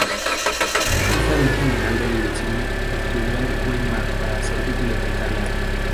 Hija de un General de División, estudió en Weimar para ser bibliotecaria.